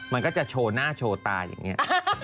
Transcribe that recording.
มันก็จะโชว์หน้าโชว์ตาอย่างนี้